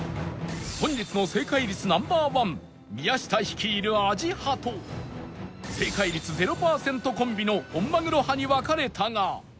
本日の正解率 Ｎｏ．１ 宮下率いるアジ派と正解率０パーセントコンビの本マグロ派に分かれたが